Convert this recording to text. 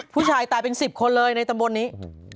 ผู้ชายตายเป็น๑๐คนเลยในตำบลนี้